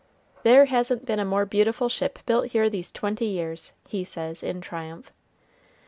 "There hasn't been a more beautiful ship built here these twenty years," he says, in triumph.